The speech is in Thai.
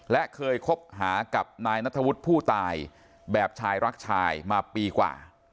และเคยคบหากับนายนัทธวุฒิผู้ตายแบบชายรักชายมาปีกว่า